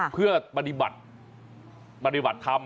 เพื่อปฏิบัติปฏิบัติธรรม